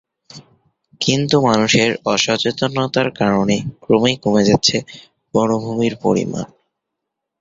কিন্তু মানুষের অসচেতনতার কারণে ক্রমেই কমে যাচ্ছে বনভূমির পরিমাণ।